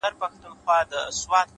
د هدف وضاحت ژوند منظموي،